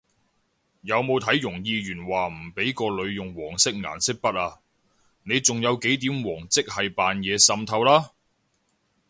有冇睇容議員話唔畀個女用黃色顏色筆啊？你仲有幾點黃即係扮嘢滲透啦！？